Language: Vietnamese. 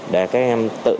để các em tự đoán